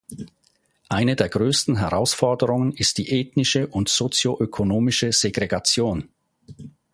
Eine der größten Herausforderungen ist die ethnische und sozioökonomische Segregation.